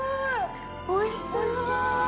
おいしそう！